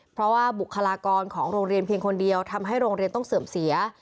เพราะว่าบุคลากรของโรงเรียนเพียงคนเดียวทำให้โรงเรียนต้องเสื่อมเสีย